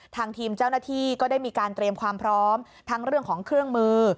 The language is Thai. ทางทีมเจ้าหน้าที่ก็ได้มีการเตรียมความพร้อมทั้งเรื่องของเครื่องมือ